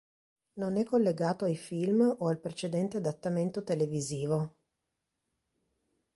Non è collegato ai film o al precedente adattamento televisivo.